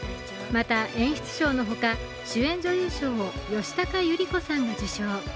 また演出賞のほか、主演女優賞を吉高由里子さんが受賞。